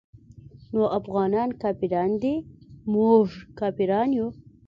نو افغانان کافران دي موږ کافران يو.